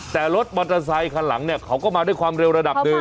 แต่รถมอเตอร์ไซคันหลังเนี่ยเขาก็มาด้วยความเร็วระดับหนึ่ง